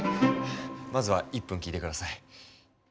まずは１分聞いて下さい。